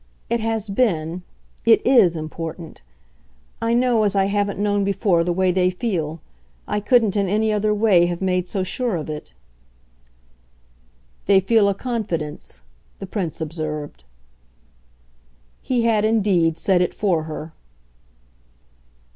It has BEEN it IS important. I know as I haven't known before the way they feel. I couldn't in any other way have made so sure of it." "They feel a confidence," the Prince observed. He had indeed said it for her.